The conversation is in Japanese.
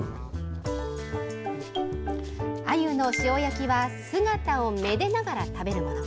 あゆの塩焼きは姿をめでながら食べるもの。